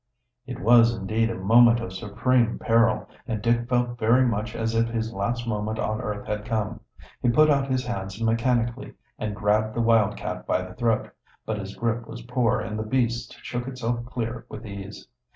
It was indeed a moment of supreme peril, and Dick felt very much as if his last moment on earth had come. He put out his hands mechanically and grabbed the wildcat by the throat, but his grip was poor and the beast shook itself clear with ease.